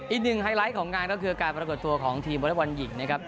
อีกหนึ่งไฮไลท์ของงานก็คือการประกอบตัวของทีมบอร์ดับวันหญิงนะครับ